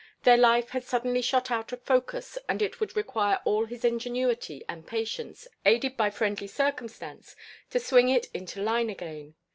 Their life had suddenly shot out of focus and it would require all his ingenuity and patience, aided by friendly circumstance, to swing it into line again.